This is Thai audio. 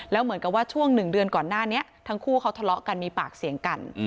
แล้วเหมือนกับว่าช่วง๑เดือนก่อนหน้านี้ทั้งคู่เขาทะเลาะกันมีปากเสียงกัน